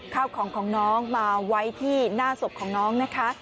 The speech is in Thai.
ข้าวของของน้องมาไว้ที่หน้าศพของน้องนะคะ